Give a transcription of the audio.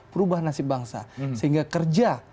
perubahan nasib bangsa sehingga kerja